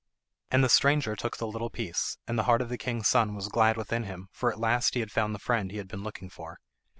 And the stranger took the little piece, and the heart of the king's son was glad within him, for at last he had found the friend he had been looking for.